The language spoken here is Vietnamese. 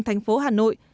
thành phố hà nội